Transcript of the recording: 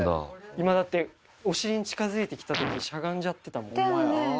今だってお尻に近づいて来た時しゃがんじゃってたもん。